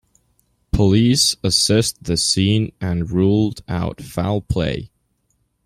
Police assessed the scene and ruled out foul play.